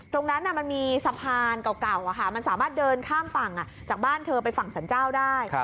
มันมีสะพานเก่ามันสามารถเดินข้ามฝั่งจากบ้านเธอไปฝั่งสรรเจ้าได้